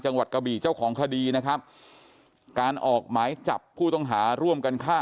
จังหวัดกะบีของขดีนะครับการออกไม้จับผู้ต้องหาร่วมกันข้า